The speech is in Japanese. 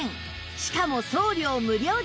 しかも送料無料です